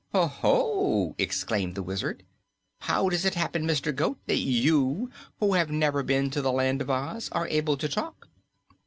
"Oho!" exclaimed the Wizard. "How does it happen, Mr. Goat, that you, who have never been to the Land of Oz, are able to talk?"